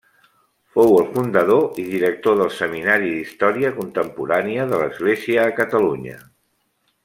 Fou el fundador i director del Seminari d'Història Contemporània de l'Església a Catalunya.